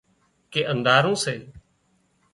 ڪي آنڌۯو سي